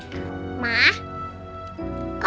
kau aku nganti kata